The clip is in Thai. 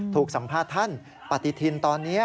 สัมภาษณ์ท่านปฏิทินตอนนี้